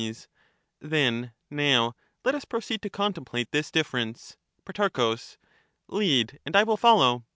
Soc, Then, now let us proceed to contemplate this dif socrates, ference. Protarchits. Pro, Lead, and I will follow.